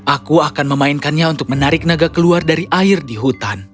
aku akan memainkannya untuk menarik naga keluar dari air di hutan